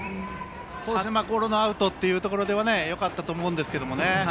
ゴロのアウトというところではよかったと思うんですけどね。